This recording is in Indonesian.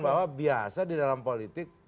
bahwa biasa di dalam politik